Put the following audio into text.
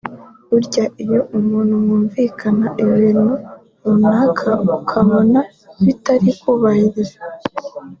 Burya iyo umuntu mwumvikanye ibintu runaka ukabona bitari kubahirizwa